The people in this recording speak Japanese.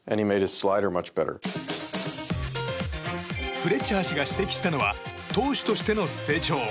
フレッチャー氏が指摘したのは投手としての成長。